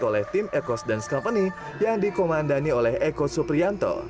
oleh tim ecos dance company yang dikomandani oleh eko suprianto